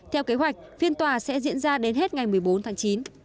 theo kế hoạch phiên tòa sẽ diễn ra đến hết ngày một mươi bốn tháng chín